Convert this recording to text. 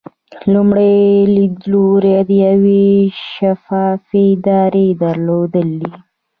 لومړی لیدلوری د یوې شفافې ادارې درلودل دي.